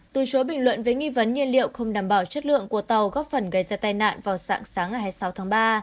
từ chối bình luận về nghi vấn nhiên liệu không đảm bảo chất lượng của tàu góp phần gây ra tai nạn vào sáng sáng ngày hai mươi sáu tháng ba